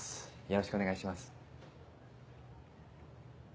よろしくお願いします。